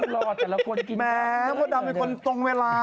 โหไม่พูดดำใหญ่คนตรงเวลา